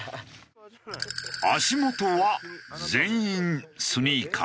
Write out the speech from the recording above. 足元は全員スニーカー。